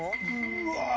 うわ。